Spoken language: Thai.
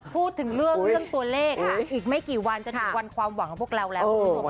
พูดถึงเรื่องเรื่องตัวเลขอีกไม่กี่วันจะถึงวันความหวังของพวกเราแล้ว